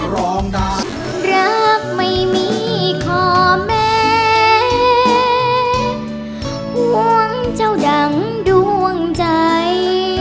รักไม่มีขอแม่ห่วงเจ้าดังดวงใจ